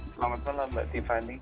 selamat malam mbak tiffany